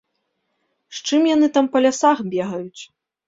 З чым яны там па лясах бегаюць?